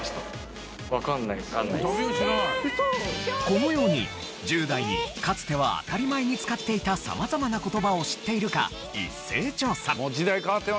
このように１０代にかつては当たり前に使っていた様々な言葉を知っているか一斉調査。